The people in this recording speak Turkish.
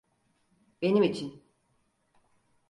Benim için.